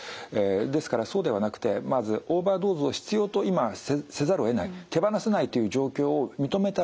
ですからそうではなくてまずオーバードーズを必要と今せざるをえない手放せないという状況を認めた上でですね